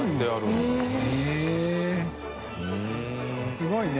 すごいね。